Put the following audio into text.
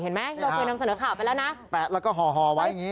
เห็นไหมใช่ฮะยาเคนทำเสริฟข่าวไปแล้วนะแปะแล้วก็ห่อไว้อย่างงี้